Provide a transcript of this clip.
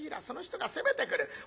その人が攻めてくる。